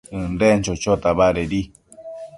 ënden chochota badedi